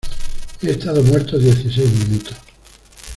he estado muerto dieciséis minutos.